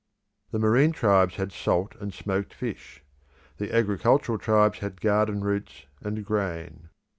The marine tribes had salt and smoked fish. The agricultural tribes had garden roots and grain.